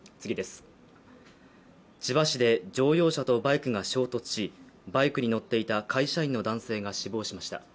千葉市で乗用車とバイクが衝突しバイクに乗っていた会社員の男性が死亡しました。